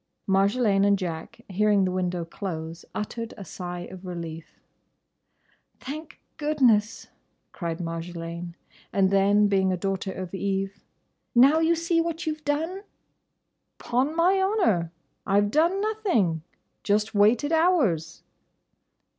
Marjolaine and Jack, hearing the window close, uttered a sigh of relief. "Thank goodness!" cried Marjolaine; and then, being a daughter of Eve, "Now you see what you 've done!" "'Pon my honour, I 've done nothing. Just waited hours."